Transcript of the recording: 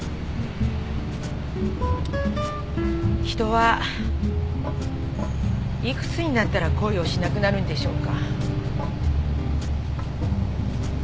人は幾つになったら恋をしなくなるんでしょうか？